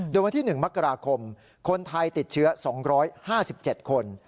โดยวันที่๑มกราคมคนไทยติดเชื้อ๒๕๗คน